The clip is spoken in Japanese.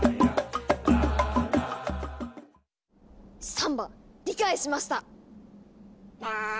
サンバ理解しました！